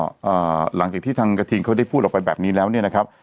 อ่าหลังจากที่ทางกระทิงเขาได้พูดออกไปแบบนี้แล้วเนี่ยนะครับ